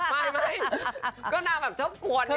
ไม่ก็น่าแบบชอบกวนอย่างงี้